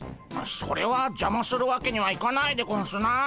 それはじゃまするわけにはいかないでゴンスなあ。